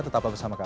tetap bersama kami